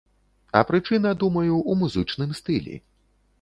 А прычына, думаю, у музычным стылі.